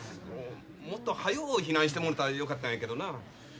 もっとはよう避難してもろたらよかったんやけどな。